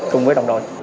cùng với đồng đội